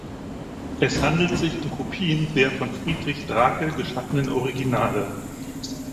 Es handelt sich um Kopien der von Friedrich Drake geschaffenen Originale.